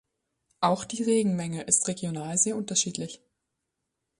Auch die Regenmenge ist regional sehr unterschiedlich.